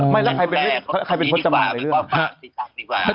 ไม่แล้วใครเป็นพจมานอะไรดีกว่า